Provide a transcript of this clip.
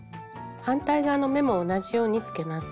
反対側の目も同じようにつけます。